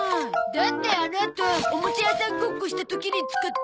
だってあのあとおもちゃ屋さんごっこした時に使って。